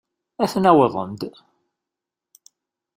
Aten-a wwḍen-d!